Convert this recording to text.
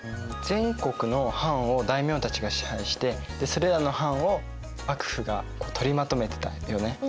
全国の藩を大名たちが支配してそれらの藩を幕府がとりまとめてたよね。